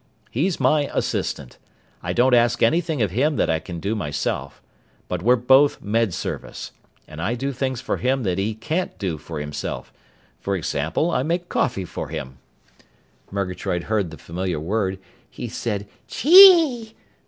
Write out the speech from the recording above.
"He's my assistant. I don't ask anything of him that I can do myself. But we're both Med Service. And I do things for him that he can't do for himself. For example, I make coffee for him." Murgatroyd heard the familiar word. He said, "_Chee!